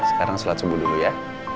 sekarang sholat subuh dulu ya